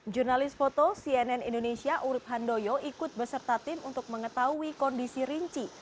jurnalis foto cnn indonesia urib handoyo ikut beserta tim untuk mengetahui kondisi rinci